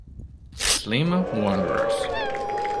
Sliema Wanderers